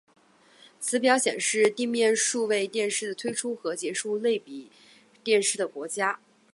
此表显示地面数位电视的推出和结束类比电视的国家。